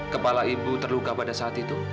kepala ibu terluka pada saat itu